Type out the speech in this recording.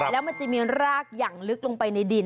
แล้วมันจะมีรากอย่างลึกลงไปในดิน